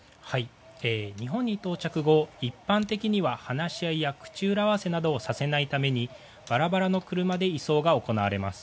日本に到着後、一般的には話し合いや口裏合わせなどをさせないためにばらばらの車で移送が行われます。